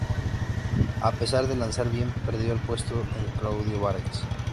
A pesar de lanzar bien, perdió el puesto con Claudio Vargas.